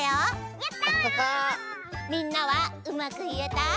みんなはうまくいえた？